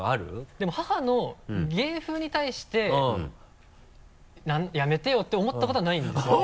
でも母の芸風に対して「やめてよ」って思ったことはないんですよね。